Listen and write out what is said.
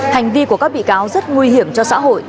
hành vi của các bị cáo rất nguy hiểm cho xã hội